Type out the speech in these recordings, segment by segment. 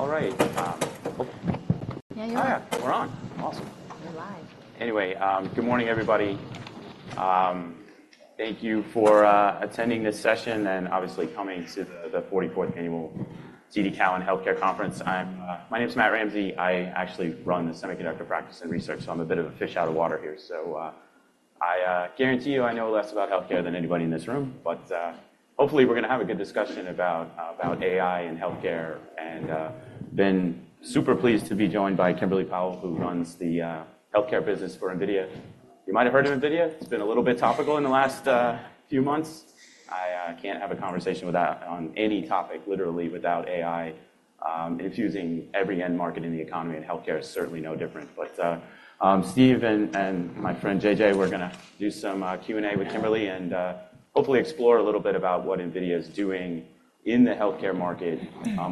All right. Oops. Yeah, you're on. Oh, yeah. We're on. Awesome. We're live. Anyway, good morning, everybody. Thank you for attending this session and obviously coming to the 44th Annual TD Cowen Health Care Conference. I'm my name's Matt Ramsay. I actually run the Semiconductor Practice and Research, so I'm a bit of a fish out of water here. So I guarantee you I know less about healthcare than anybody in this room, but hopefully we're gonna have a good discussion about about AI and healthcare. And been super pleased to be joined by Kimberly Powell, who runs the healthcare business for NVIDIA. You might have heard of NVIDIA. It's been a little bit topical in the last few months. I can't have a conversation without on any topic, literally, without AI infusing every end market in the economy and healthcare is certainly no different. But, Steve and my friend JJ, we're gonna do some Q&A with Kimberly and hopefully explore a little bit about what NVIDIA's doing in the healthcare market,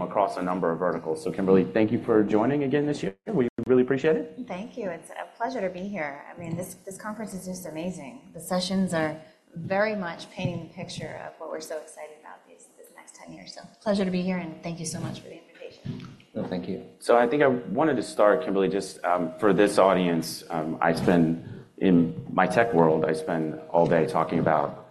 across a number of verticals. So, Kimberly, thank you for joining again this year. We really appreciate it. Thank you. It's a pleasure to be here. I mean, this, this conference is just amazing. The sessions are very much painting the picture of what we're so excited about these, this next 10 years. So pleasure to be here, and thank you so much for the invitation. Well, thank you. So I think I wanted to start, Kimberly, just, for this audience, I spend in my tech world, I spend all day talking about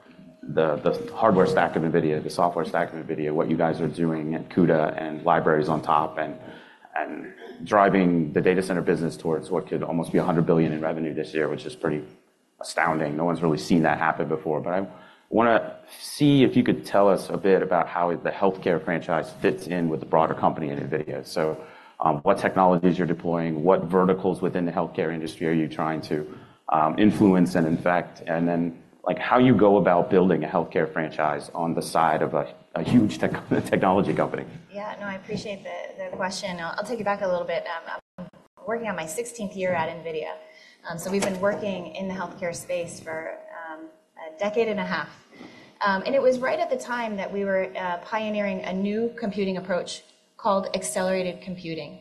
the hardware stack of NVIDIA, the software stack of NVIDIA, what you guys are doing at CUDA and libraries on top and driving the data center business towards what could almost be $100 billion in revenue this year, which is pretty astounding. No one's really seen that happen before. But I wanna see if you could tell us a bit about how the healthcare franchise fits in with the broader company at NVIDIA. So, what technologies you're deploying, what verticals within the healthcare industry are you trying to influence and infect, and then, like, how you go about building a healthcare franchise on the side of a huge technology company. Yeah. No, I appreciate the, the question. I'll, I'll take you back a little bit. I'm working on my 16th year at NVIDIA. So we've been working in the healthcare space for a decade and a half. It was right at the time that we were pioneering a new computing approach called accelerated computing.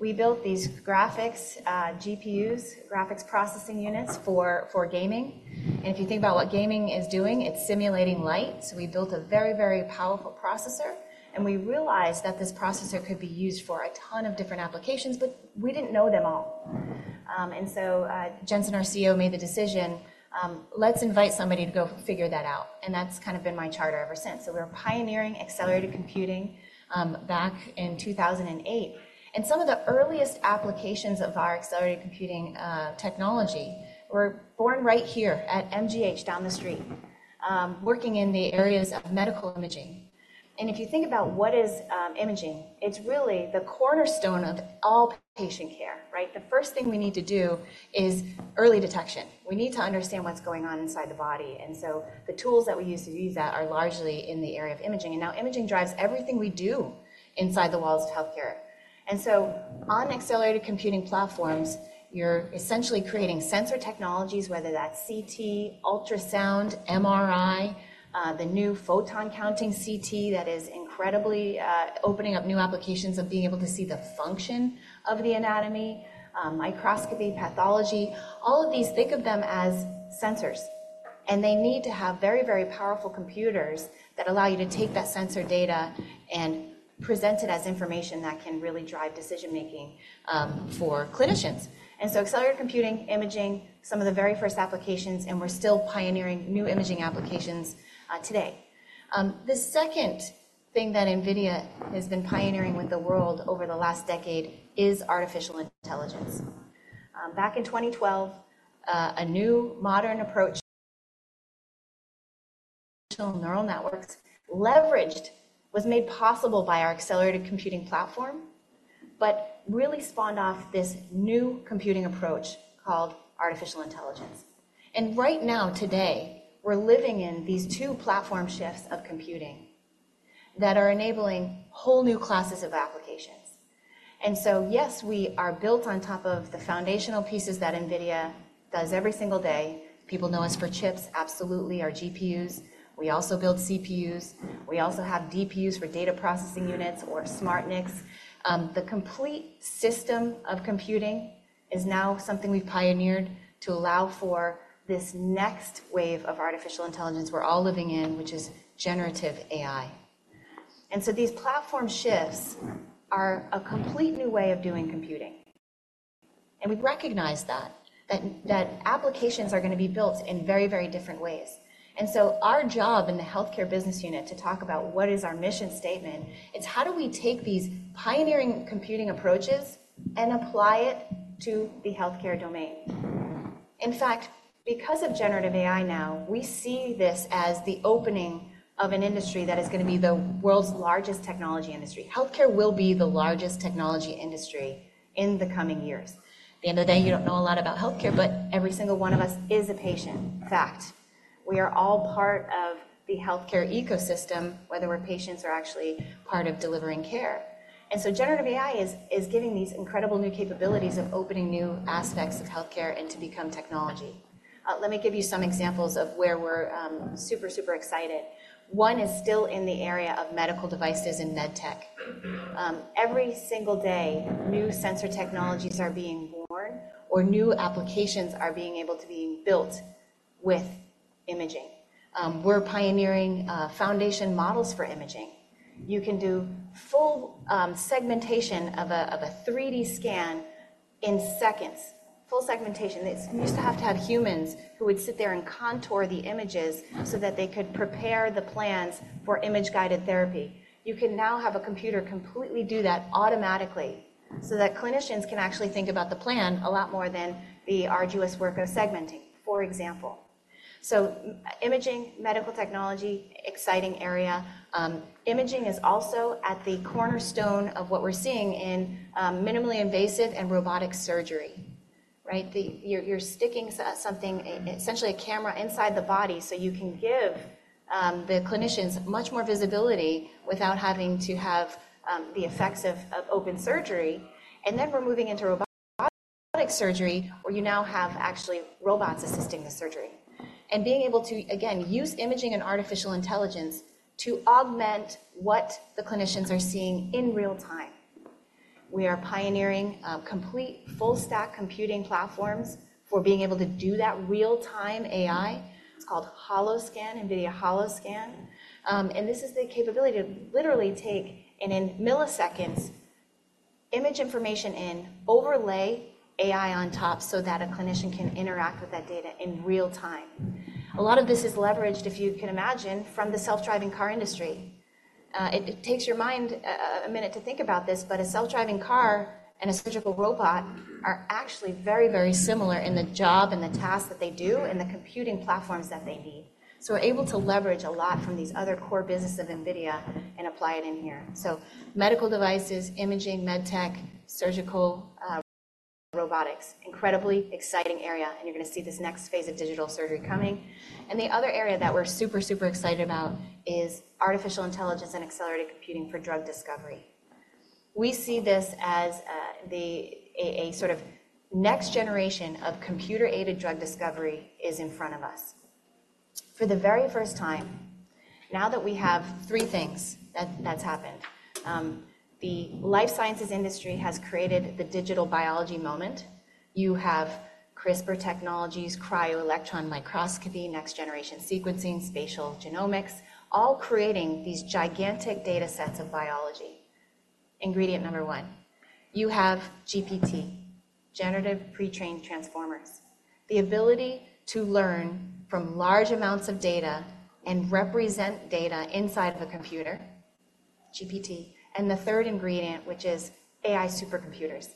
We built these graphics, GPUs, graphics processing units for, for gaming. And if you think about what gaming is doing, it's simulating light. So we built a very, very powerful processor, and we realized that this processor could be used for a ton of different applications, but we didn't know them all. So Jensen, our CEO, made the decision, let's invite somebody to go figure that out. And that's kind of been my charter ever since. So we were pioneering accelerated computing back in 2008. Some of the earliest applications of our accelerated computing technology were born right here at MGH down the street, working in the areas of medical imaging. If you think about what imaging is, it's really the cornerstone of all patient care, right? The first thing we need to do is early detection. We need to understand what's going on inside the body. The tools that we use to do that are largely in the area of imaging. Now imaging drives everything we do inside the walls of healthcare. On accelerated computing platforms, you're essentially creating sensor technologies, whether that's CT, ultrasound, MRI, the new photon-counting CT that is incredibly opening up new applications of being able to see the function of the anatomy, microscopy, pathology. All of these, think of them as sensors. They need to have very, very powerful computers that allow you to take that sensor data and present it as information that can really drive decision-making, for clinicians. And so accelerated computing, imaging, some of the very first applications, and we're still pioneering new imaging applications, today. The second thing that NVIDIA has been pioneering with the world over the last decade is artificial intelligence. Back in 2012, a new modern approach to artificial neural networks leveraged was made possible by our accelerated computing platform but really spawned off this new computing approach called artificial intelligence. And right now, today, we're living in these two platform shifts of computing that are enabling whole new classes of applications. And so yes, we are built on top of the foundational pieces that NVIDIA does every single day. People know us for chips, absolutely, our GPUs. We also build CPUs. We also have DPUs for data processing units or smart NICs. The complete system of computing is now something we've pioneered to allow for this next wave of artificial intelligence we're all living in, which is generative AI. And so these platform shifts are a complete new way of doing computing. And we recognize that, that, that applications are gonna be built in very, very different ways. And so our job in the healthcare business unit to talk about what is our mission statement, it's how do we take these pioneering computing approaches and apply it to the healthcare domain. In fact, because of generative AI now, we see this as the opening of an industry that is gonna be the world's largest technology industry. Healthcare will be the largest technology industry in the coming years. At the end of the day, you don't know a lot about healthcare, but every single one of us is a patient, fact. We are all part of the healthcare ecosystem, whether we're patients or actually part of delivering care. So generative AI is giving these incredible new capabilities of opening new aspects of healthcare and to become technology. Let me give you some examples of where we're super, super excited. One is still in the area of medical devices and medtech. Every single day, new sensor technologies are being born or new applications are being able to be built with imaging. We're pioneering foundation models for imaging. You can do full segmentation of a 3D scan in seconds, full segmentation. It used to have to have humans who would sit there and contour the images so that they could prepare the plans for image-guided therapy. You can now have a computer completely do that automatically so that clinicians can actually think about the plan a lot more than the arduous work of segmenting, for example. So imaging, medical technology, exciting area. Imaging is also at the cornerstone of what we're seeing in minimally invasive and robotic surgery, right? You're sticking something, essentially a camera inside the body so you can give the clinicians much more visibility without having to have the effects of open surgery. And then we're moving into robotic surgery where you now have actually robots assisting the surgery and being able to again use imaging and artificial intelligence to augment what the clinicians are seeing in real time. We are pioneering complete full-stack computing platforms for being able to do that real-time AI. It's called Holoscan, NVIDIA Holoscan. This is the capability to literally take and in milliseconds image information in, overlay AI on top so that a clinician can interact with that data in real time. A lot of this is leveraged, if you can imagine, from the self-driving car industry. It takes your mind a, a minute to think about this, but a self-driving car and a surgical robot are actually very, very similar in the job and the task that they do and the computing platforms that they need. So we're able to leverage a lot from these other core businesses of NVIDIA and apply it in here. So medical devices, imaging, medtech, surgical, robotics, incredibly exciting area. And you're gonna see this next phase of digital surgery coming. And the other area that we're super, super excited about is artificial intelligence and accelerated computing for drug discovery. We see this as a sort of next generation of computer-aided drug discovery is in front of us for the very first time. Now that we have three things that has happened, the life sciences industry has created the digital biology moment. You have CRISPR technologies, cryo-electron microscopy, next-generation sequencing, spatial genomics, all creating these gigantic datasets of biology. Ingredient number one, you have GPT, generative pre-trained transformers, the ability to learn from large amounts of data and represent data inside of a computer, GPT. And the third ingredient, which is AI supercomputers,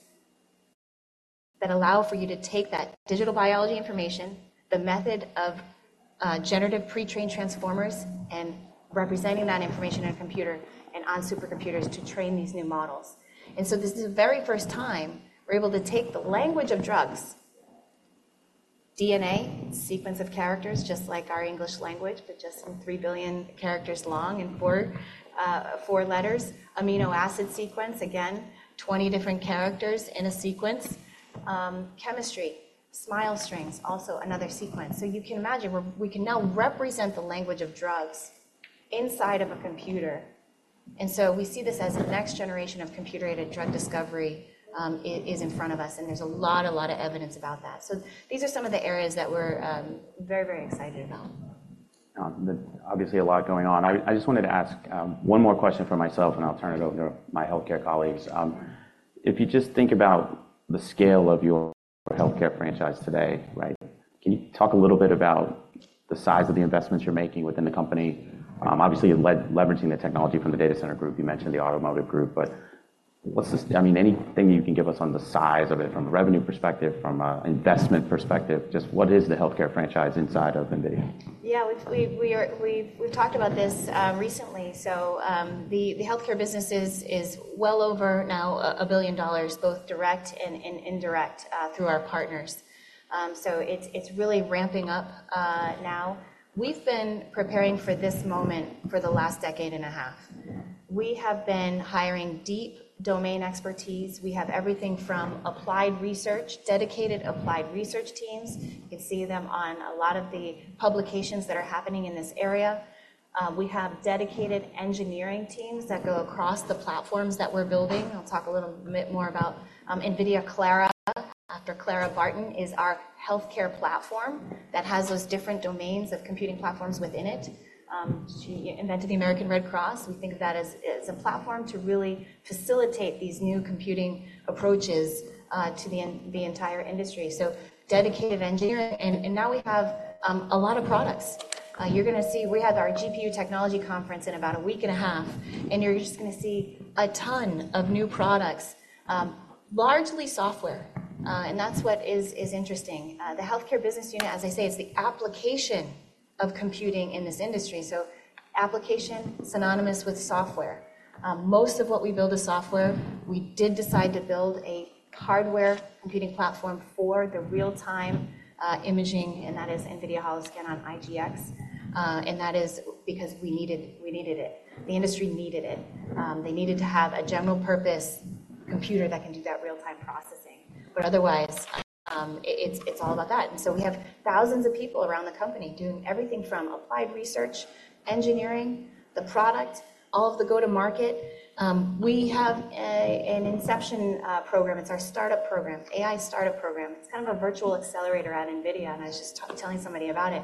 that allow for you to take that digital biology information, the method of generative pre-trained transformers, and representing that information in a computer and on supercomputers to train these new models. And so this is the very first time we're able to take the language of drugs, DNA, sequence of characters just like our English language, but just in three billion characters long and four, four letters, amino acid sequence, again, 20 different characters in a sequence, chemistry, SMILES strings, also another sequence. So you can imagine we can now represent the language of drugs inside of a computer. And so we see this as the next generation of computer-aided drug discovery is in front of us. And there's a lot, a lot of evidence about that. So these are some of the areas that we're, very, very excited about. There's obviously a lot going on. I just wanted to ask one more question for myself, and I'll turn it over to my healthcare colleagues. If you just think about the scale of your healthcare franchise today, right, can you talk a little bit about the size of the investments you're making within the company? Obviously, you're leveraging the technology from the data center group. You mentioned the automotive group. But what's the size? I mean, anything you can give us on the size of it from a revenue perspective, from a investment perspective, just what is the healthcare franchise inside of NVIDIA? Yeah. We've talked about this recently. So, the healthcare business is well over now $1 billion, both direct and indirect, through our partners. So it's really ramping up now. We've been preparing for this moment for the last decade and a half. We have been hiring deep domain expertise. We have everything from applied research, dedicated applied research teams. You can see them on a lot of the publications that are happening in this area. We have dedicated engineering teams that go across the platforms that we're building. I'll talk a little bit more about NVIDIA Clara. After Clara Barton is our healthcare platform that has those different domains of computing platforms within it. She invented the American Red Cross. We think of that as a platform to really facilitate these new computing approaches to the entire industry. So dedicated engineering. And now we have a lot of products. You're gonna see we GPU Technology Conference in about a week and a half. And you're just gonna see a ton of new products, largely software. And that's what is interesting. The healthcare business unit, as I say, it's the application of computing in this industry. So application synonymous with software. Most of what we build is software. We did decide to build a hardware computing platform for the real-time imaging. And that is NVIDIA Holoscan on IGX. And that is because we needed it. The industry needed it. They needed to have a general-purpose computer that can do that real-time processing. But otherwise, it's all about that. And so we have thousands of people around the company doing everything from applied research, engineering, the product, all of the go-to-market. We have an Inception program. It's our startup program, AI startup program. It's kind of a virtual accelerator at NVIDIA. And I was just telling somebody about it.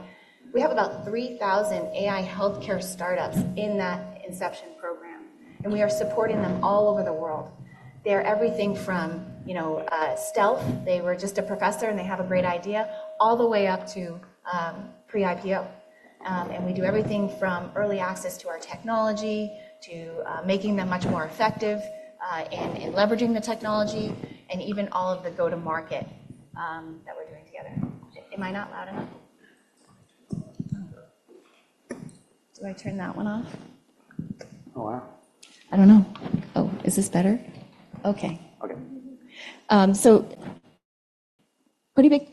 We have about 3,000 AI healthcare startups in that Inception program. And we are supporting them all over the world. They are everything from, you know, stealth. They were just a professor, and they have a great idea, all the way up to, pre-IPO. And we do everything from early access to our technology to, making them much more effective, and, and leveraging the technology, and even all of the go-to-market, that we're doing together. Am I not loud enough? Do I turn that one off? Oh, wow. I don't know. Oh, is this better? Okay. Okay. So pretty big,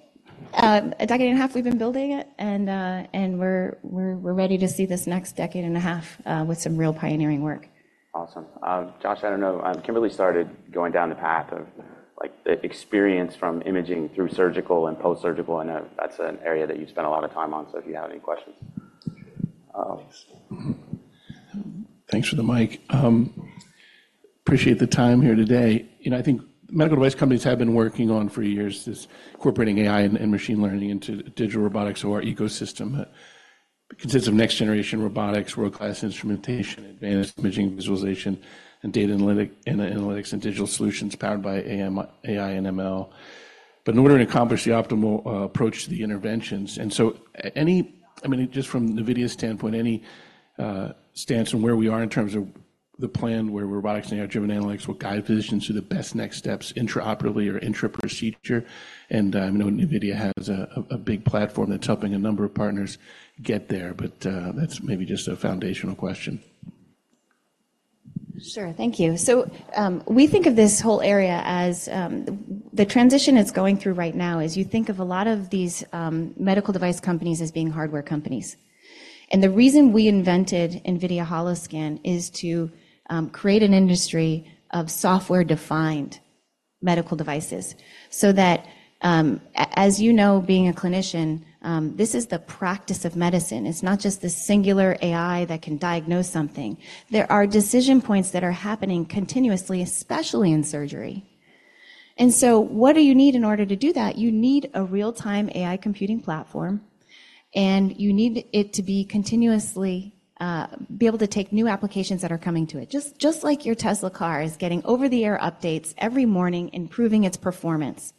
a decade and a half we've been building it. And we're ready to see this next decade and a half, with some real pioneering work. Awesome. Josh, I don't know. Kimberly started going down the path of, like, the experience from imaging through surgical and post-surgical. I know that's an area that you've spent a lot of time on. So if you have any questions. Thanks. Thanks for the mic. Appreciate the time here today. You know, I think medical device companies have been working on for years this incorporating AI and machine learning into digital robotics or our ecosystem. It consists of next-generation robotics, world-class instrumentation, advanced imaging visualization, and data analytic and analytics and digital solutions powered by AI, AI, and ML. But in order to accomplish the optimal approach to the interventions and so I mean, just from NVIDIA's standpoint, any stance on where we are in terms of the plan where robotics and AI-driven analytics will guide physicians through the best next steps intraoperatively or intra-procedure. I know NVIDIA has a big platform that's helping a number of partners get there. That's maybe just a foundational question. Sure. Thank you. So, we think of this whole area as the transition it's going through right now is you think of a lot of these medical device companies as being hardware companies. And the reason we invented NVIDIA Holoscan is to create an industry of software-defined medical devices so that, as you know, being a clinician, this is the practice of medicine. It's not just the singular AI that can diagnose something. There are decision points that are happening continuously, especially in surgery. And so what do you need in order to do that? You need a real-time AI computing platform. And you need it to be continuously be able to take new applications that are coming to it, just like your Tesla car is getting over-the-air updates every morning, improving its performance.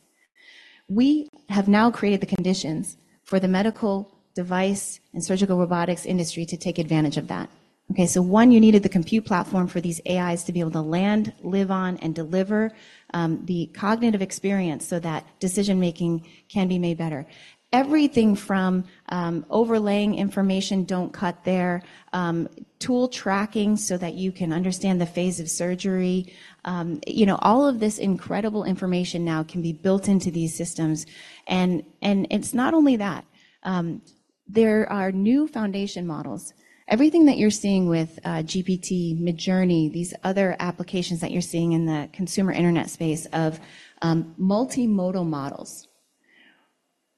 We have now created the conditions for the medical device and surgical robotics industry to take advantage of that. Okay. So one, you needed the compute platform for these AIs to be able to land, live on, and deliver, the cognitive experience so that decision-making can be made better. Everything from, overlaying information, don't cut there, tool tracking so that you can understand the phase of surgery. You know, all of this incredible information now can be built into these systems. And, and it's not only that. There are new foundation models. Everything that you're seeing with, GPT, Midjourney, these other applications that you're seeing in the consumer internet space of, multimodal models,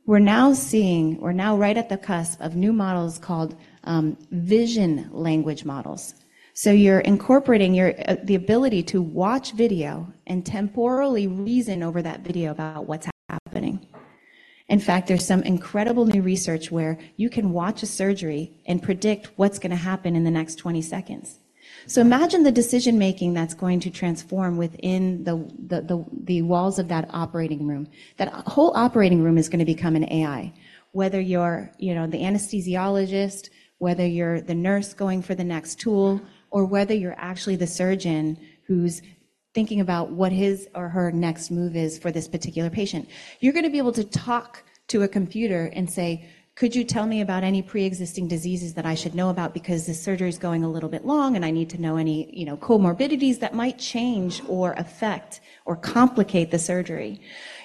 we're now seeing we're now right at the cusp of new models called, vision language models. So you're incorporating your, the ability to watch video and temporally reason over that video about what's happening. In fact, there's some incredible new research where you can watch a surgery and predict what's gonna happen in the next 20 seconds. So imagine the decision-making that's going to transform within the walls of that operating room. That whole operating room is gonna become an AI, whether you're, you know, the anesthesiologist, whether you're the nurse going for the next tool, or whether you're actually the surgeon who's thinking about what his or her next move is for this particular patient. You're gonna be able to talk to a computer and say, "Could you tell me about any pre-existing diseases that I should know about because the surgery's going a little bit long, and I need to know any, you know, comorbidities that might change or affect or complicate the surgery?"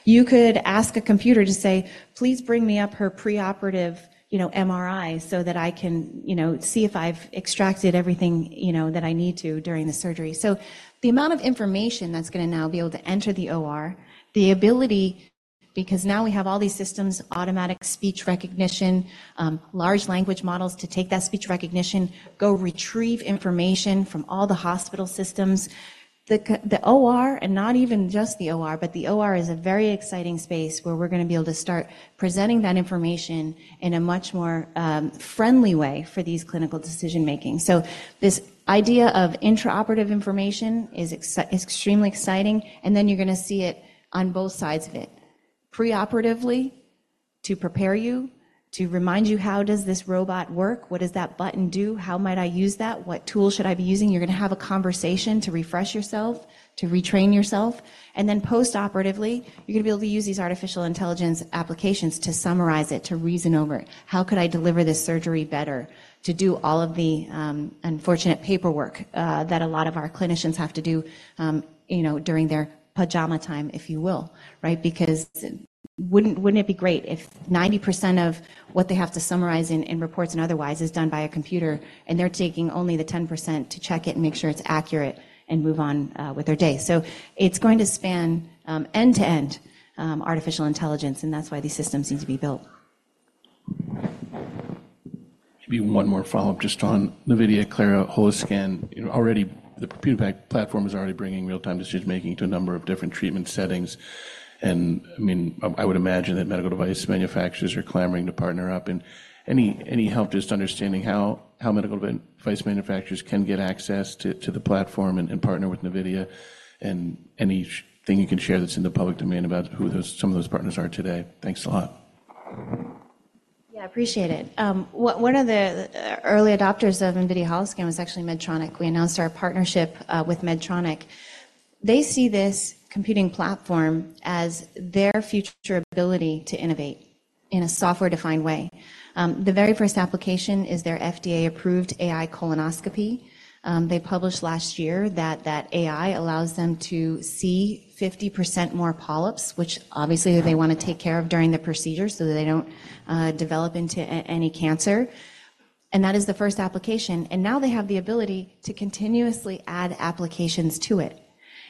You could ask a computer to say, "Please bring me up her preoperative, you know, MRI so that I can, you know, see if I've extracted everything, you know, that I need to during the surgery." So the amount of information that's gonna now be able to enter the OR, the ability because now we have all these systems, automatic speech recognition, large language models to take that speech recognition, go retrieve information from all the hospital systems. The OR and not even just the OR, but the OR is a very exciting space where we're gonna be able to start presenting that information in a much more friendly way for these clinical decision-makings. So this idea of intraoperative information is extremely exciting. And then you're gonna see it on both sides of it. Preoperatively, to prepare you, to remind you, "How does this robot work? What does that button do? How might I use that? What tool should I be using?" You're gonna have a conversation to refresh yourself, to retrain yourself. Then postoperatively, you're gonna be able to use these artificial intelligence applications to summarize it, to reason over, "How could I deliver this surgery better?" to do all of the unfortunate paperwork that a lot of our clinicians have to do, you know, during their pajama time, if you will, right, because wouldn't it be great if 90% of what they have to summarize in reports and otherwise is done by a computer, and they're taking only the 10% to check it and make sure it's accurate and move on with their day? So it's going to span end to end, artificial intelligence. And that's why these systems need to be built. Maybe one more follow-up just on NVIDIA Clara Holoscan. You know, already the computer-based platform is already bringing real-time decision-making to a number of different treatment settings. And I mean, I, I would imagine that medical device manufacturers are clamoring to partner up. And any, any help just understanding how, how medical device manufacturers can get access to, to the platform and, and partner with NVIDIA and anything you can share that's in the public domain about who those some of those partners are today. Thanks a lot. Yeah. Appreciate it. One of the early adopters of NVIDIA Holoscan was actually Medtronic. We announced our partnership with Medtronic. They see this computing platform as their future ability to innovate in a software-defined way. The very first application is their FDA-approved AI colonoscopy. They published last year that that AI allows them to see 50% more polyps, which obviously they wanna take care of during the procedure so that they don't develop into any cancer. And that is the first application. And now they have the ability to continuously add applications to it.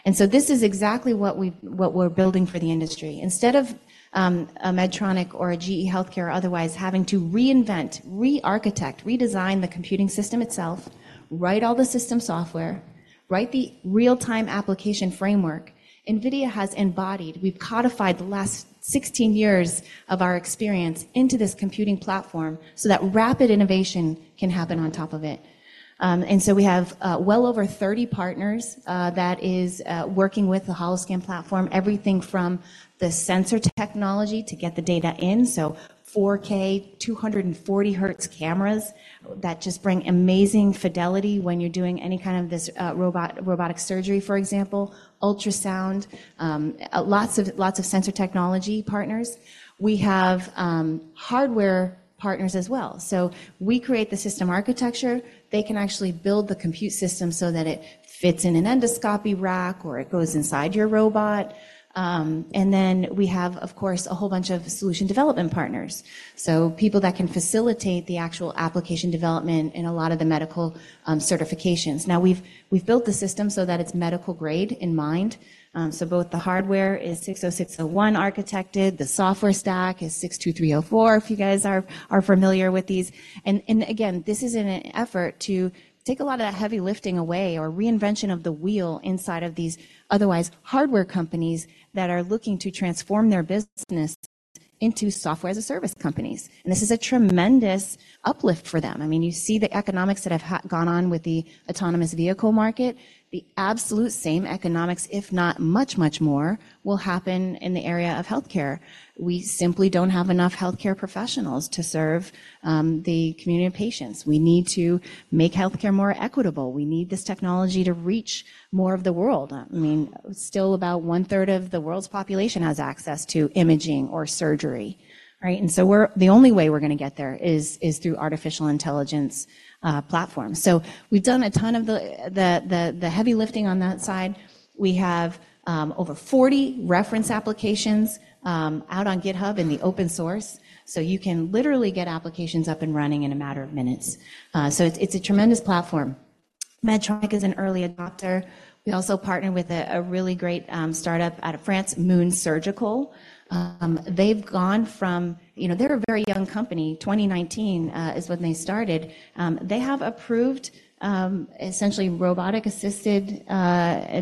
And so this is exactly what we're building for the industry. Instead of a Medtronic or a GE HealthCare or otherwise having to reinvent, re-architect, redesign the computing system itself, write all the system software, write the real-time application framework, NVIDIA has embodied. We've codified the last 16 years of our experience into this computing platform so that rapid innovation can happen on top of it. And so we have well over 30 partners that are working with the Holoscan platform, everything from the sensor technology to get the data in, so 4K, 240-hertz cameras that just bring amazing fidelity when you're doing any kind of this robotic surgery, for example, ultrasound, lots of sensor technology partners. We have hardware partners as well. So we create the system architecture. They can actually build the compute system so that it fits in an endoscopy rack or it goes inside your robot. And then we have, of course, a whole bunch of solution development partners, so people that can facilitate the actual application development in a lot of the medical certifications. Now, we've built the system so that it's medical-grade in mind. So both the hardware is 60601 architected. The software stack is 62304, if you guys are familiar with these. And again, this is an effort to take a lot of that heavy lifting away or reinvention of the wheel inside of these otherwise hardware companies that are looking to transform their business into software-as-a-service companies. And this is a tremendous uplift for them. I mean, you see the economics that have gone on with the autonomous vehicle market. The absolute same economics, if not much, much more, will happen in the area of healthcare. We simply don't have enough healthcare professionals to serve the community of patients. We need to make healthcare more equitable. We need this technology to reach more of the world. I mean, still about one-third of the world's population has access to imaging or surgery, right? And so the only way we're gonna get there is through artificial intelligence platforms. So we've done a ton of the heavy lifting on that side. We have over 40 reference applications out on GitHub in the open source. So you can literally get applications up and running in a matter of minutes. So it's a tremendous platform. Medtronic is an early adopter. We also partner with a really great startup out of France, Moon Surgical. They've gone from, you know, they're a very young company. 2019 is when they started. They have approved essentially robotic-assisted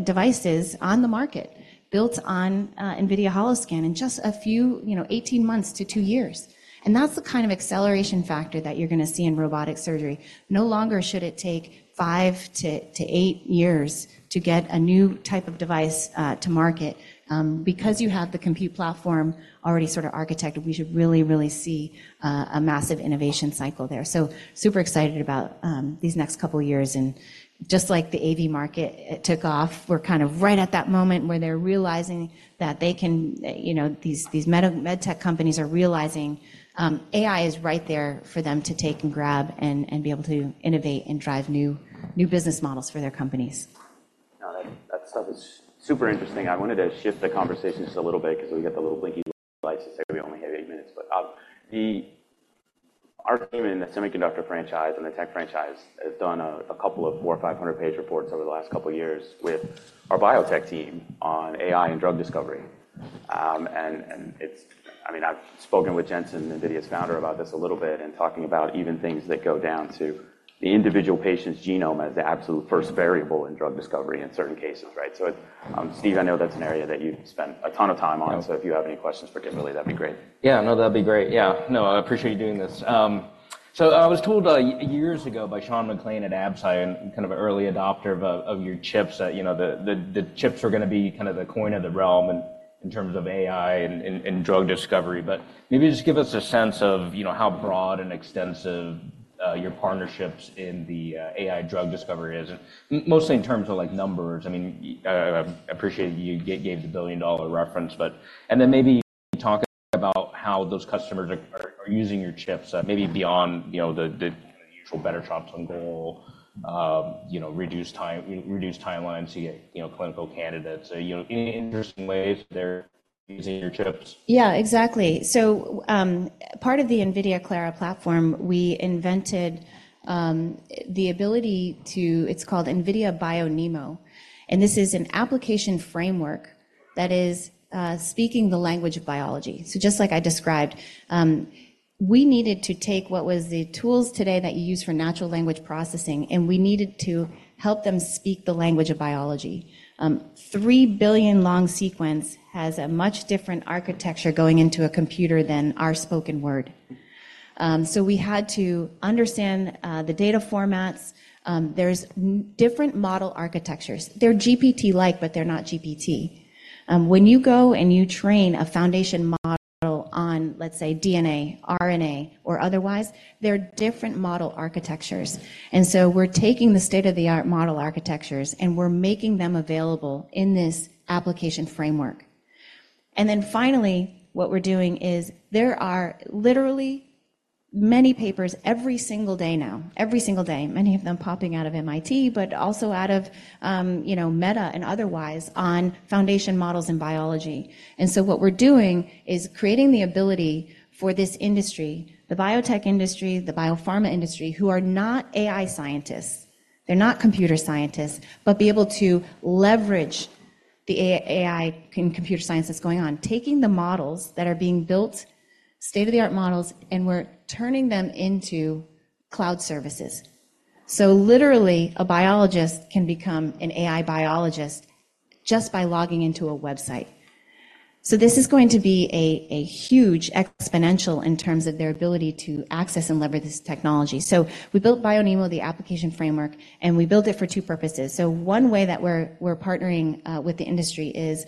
devices on the market built on NVIDIA Holoscan in just a few, you know, 18 months to two years. And that's the kind of acceleration factor that you're gonna see in robotic surgery. No longer should it take 5-8 years to get a new type of device to market, because you have the compute platform already sort of architected. We should really, really see a massive innovation cycle there. So super excited about these next couple of years. And just like the AV market, it took off. We're kind of right at that moment where they're realizing that they can, you know, these medtech companies are realizing AI is right there for them to take and grab and be able to innovate and drive new business models for their companies. Now, that stuff is super interesting. I wanted to shift the conversation just a little bit 'cause we got the little blinky lights to say we only have eight minutes. But our team in the semiconductor franchise and the tech franchise has done a couple of 400 or 500-page reports over the last couple of years with our biotech team on AI and drug discovery. And it's, I mean, I've spoken with Jensen, NVIDIA's founder, about this a little bit and talking about even things that go down to the individual patient's genome as the absolute first variable in drug discovery in certain cases, right? So it's, Steve, I know that's an area that you've spent a ton of time on. Yeah. If you have any questions for Kimberly, that'd be great. Yeah. No, that'd be great. Yeah. No, I appreciate you doing this. So I was told, years ago by Sean McClain at Absci and kind of an early adopter of your chips that, you know, the chips were gonna be kind of the coin of the realm in terms of AI and drug discovery. But maybe just give us a sense of, you know, how broad and extensive your partnerships in the AI drug discovery is, and mostly in terms of, like, numbers. I mean, I appreciate you gave the billion-dollar reference. But, and then maybe talk about how those customers are using your chips, maybe beyond, you know, the kind of usual better shots on goal, you know, reduce time, reduce timelines to get, you know, clinical candidates. You know, any interesting ways that they're using your chips? Yeah. Exactly. So, part of the NVIDIA Clara platform, we invented the ability. It's called NVIDIA BioNeMo. And this is an application framework that is speaking the language of biology. So just like I described, we needed to take what was the tools today that you use for natural language processing, and we needed to help them speak the language of biology. 3 billion-long sequence has a much different architecture going into a computer than our spoken word. So we had to understand the data formats. There's n different model architectures. They're GPT-like, but they're not GPT. When you go and you train a foundation model on, let's say, DNA, RNA, or otherwise, they're different model architectures. And so we're taking the state-of-the-art model architectures, and we're making them available in this application framework. And then finally, what we're doing is there are literally many papers every single day now, every single day, many of them popping out of MIT but also out of, you know, Meta and otherwise on foundation models in biology. And so what we're doing is creating the ability for this industry, the biotech industry, the biopharma industry, who are not AI scientists, they're not computer scientists, but be able to leverage the AI, AI in computer science that's going on, taking the models that are being built, state-of-the-art models, and we're turning them into cloud services. So literally, a biologist can become an AI biologist just by logging into a website. So this is going to be a, a huge exponential in terms of their ability to access and leverage this technology. So we built BioNeMo, the application framework, and we built it for two purposes. So one way that we're partnering with the industry is,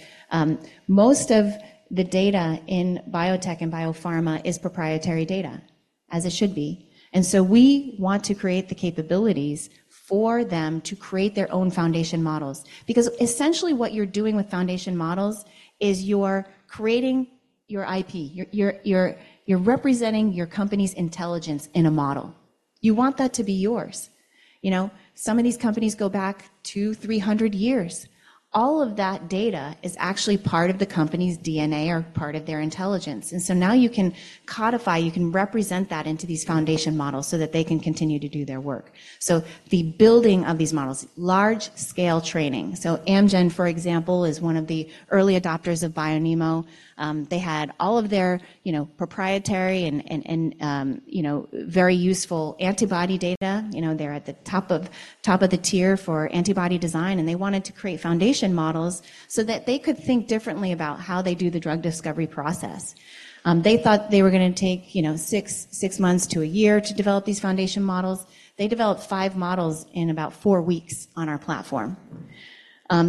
most of the data in biotech and biopharma is proprietary data as it should be. And so we want to create the capabilities for them to create their own foundation models because essentially, what you're doing with foundation models is you're creating your IP. You're representing your company's intelligence in a model. You want that to be yours. You know, some of these companies go back 2,300 years. All of that data is actually part of the company's DNA or part of their intelligence. And so now you can codify. You can represent that into these foundation models so that they can continue to do their work. So the building of these models, large-scale training. So Amgen, for example, is one of the early adopters of BioNeMo. They had all of their, you know, proprietary and, you know, very useful antibody data. You know, they're at the top of top of the tier for antibody design. And they wanted to create foundation models so that they could think differently about how they do the drug discovery process. They thought they were gonna take, you know, six months to a year to develop these foundation models. They developed five models in about four weeks on our platform.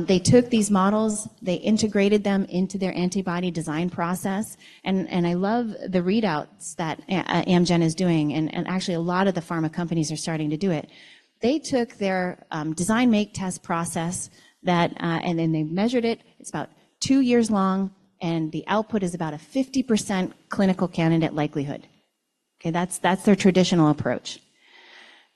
They took these models. They integrated them into their antibody design process. And I love the readouts that Amgen is doing. And actually, a lot of the pharma companies are starting to do it. They took their Design-Make-Test process that, and then they measured it. It's about two years long. And the output is about a 50% clinical candidate likelihood. Okay? That's their traditional approach.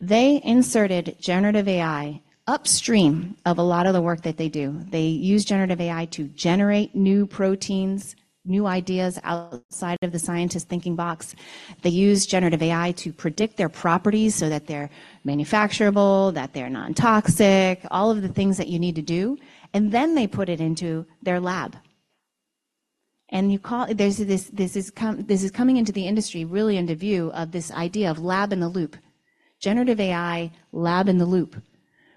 They inserted generative AI upstream of a lot of the work that they do. They use generative AI to generate new proteins, new ideas outside of the scientist's thinking box. They use generative AI to predict their properties so that they're manufacturable, that they're non-toxic, all of the things that you need to do. And then they put it into their lab. And you call it there's this. This is coming into the industry really into view of this idea of lab-in-the-loop, generative AI, lab-in-the-loop,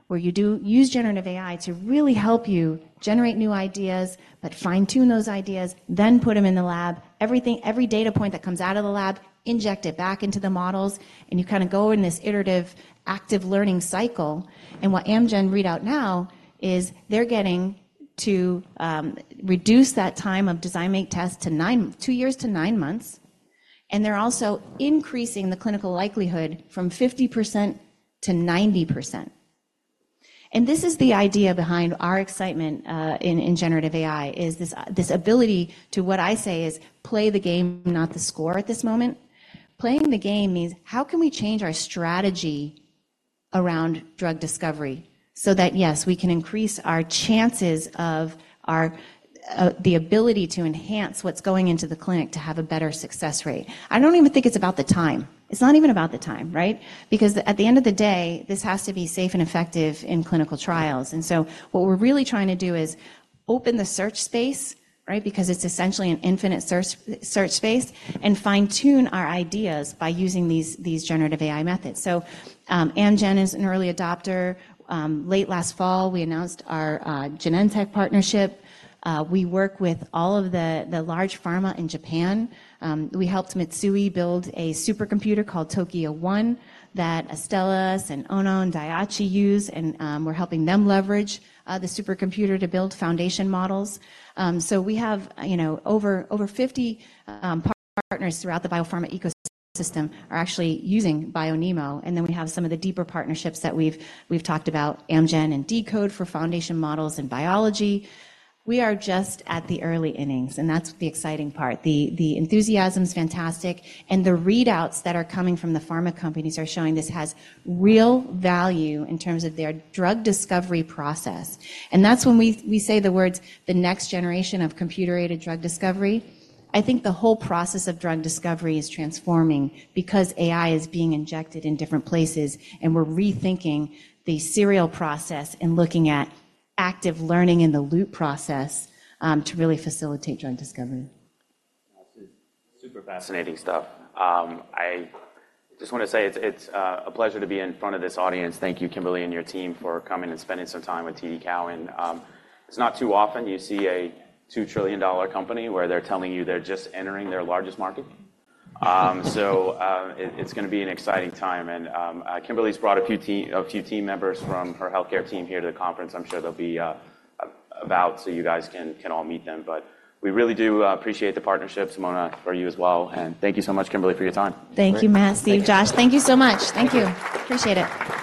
where you do use generative AI to really help you generate new ideas but fine-tune those ideas, then put them in the lab, every data point that comes out of the lab, inject it back into the models. And you kinda go in this iterative active learning cycle. And what Amgen readout now is they're getting to reduce that time of Design-Make-Test from two years to nine months. And they're also increasing the clinical likelihood from 50% to 90%. And this is the idea behind our excitement in generative AI is this, this ability to what I say is play the game, not the score at this moment. Playing the game means, how can we change our strategy around drug discovery so that, yes, we can increase our chances of our, the ability to enhance what's going into the clinic to have a better success rate? I don't even think it's about the time. It's not even about the time, right? Because at the end of the day, this has to be safe and effective in clinical trials. And so what we're really trying to do is open the search space, right, because it's essentially an infinite search space, and fine-tune our ideas by using these generative AI methods. So, Amgen is an early adopter. Late last fall, we announced our Genentech partnership. We work with all of the large pharma in Japan. We helped Mitsui build a supercomputer called Tokyo-1 that Astellas and Ono and Daiichi use. And, we're helping them leverage the supercomputer to build foundation models. So we have, you know, over 50 partners throughout the biopharma ecosystem are actually using BioNeMo. And then we have some of the deeper partnerships that we've talked about, Amgen and deCODE for foundation models in biology. We are just at the early innings. And that's the exciting part. The enthusiasm's fantastic. And the readouts that are coming from the pharma companies are showing this has real value in terms of their drug discovery process. And that's when we, we say the words, "The next generation of computer-aided drug discovery." I think the whole process of drug discovery is transforming because AI is being injected in different places. And we're rethinking the serial process and looking at active learning in the loop process, to really facilitate drug discovery. Awesome. Super fascinating stuff. I just wanna say it's a pleasure to be in front of this audience. Thank you, Kimberly, and your team for coming and spending some time with TD Cowen. It's not too often you see a $2 trillion company where they're telling you they're just entering their largest market. So, it's gonna be an exciting time. And, Kimberly's brought a few team members from her healthcare team here to the conference. I'm sure they'll be about so you guys can all meet them. But we really do appreciate the partnership, Simona, for you as well. And thank you so much, Kimberly, for your time. Thank you, Matt, Steve, Josh. Thank you so much. Thank you. Appreciate it.